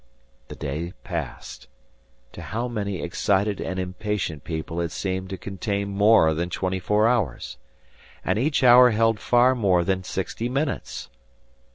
The day passed. To how many excited and impatient people it seemed to contain more than twenty four hours! And each hour held far more than sixty minutes!